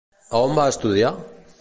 A on va estudiar?